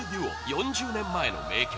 ４０年前の名曲